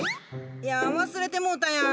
いや忘れてもうたやん。